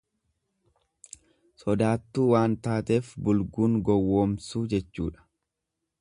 Sodaattuu waan taateef bulguun gowwoomsu jechuudha.